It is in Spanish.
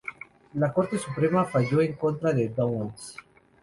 La Corte Suprema fallo en contra de Downes.